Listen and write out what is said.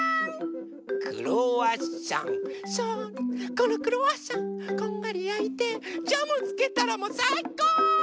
このクロワッサンこんがりやいてジャムつけたらもうさいこ！